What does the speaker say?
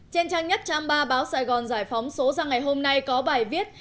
trên trang nhất trang ba báo sài gòn giải phóng số ra ngày hôm nay có bài viết